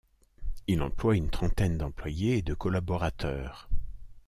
Il emploie une trentaine d'employés et de collaborateurs.